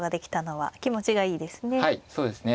はいそうですね。